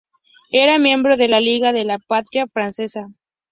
Era miembro de la Liga de la Patria Francesa.